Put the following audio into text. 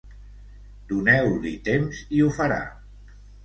Doneu-li temps, i ho farà.